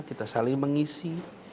kita saling mengisi